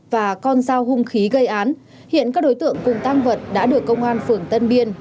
và con dao hung khí gây án hiện các đối tượng cùng tăng vật đã được công an phường tân biên